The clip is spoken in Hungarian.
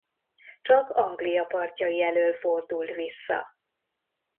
Csak Anglia partjai elől fordult vissza.